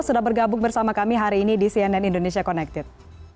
sudah bergabung bersama kami hari ini di cnn indonesia connected